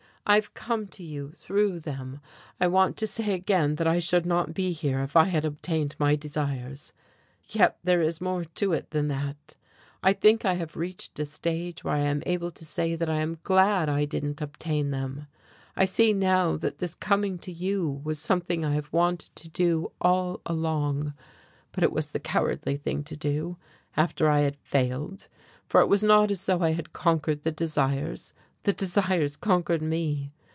"I have come to you, through them. I want to say again that I should not be here if I had obtained my desires. Yet there is more to it than that. I think I have reached a stage where I am able to say that I am glad I didn't obtain them. I see now that this coming to you was something I have wanted to do all along, but it was the cowardly thing to do, after I had failed, for it was not as though I had conquered the desires, the desires conquered me.